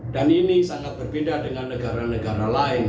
dan ini sangat berbeda dengan negara negara lain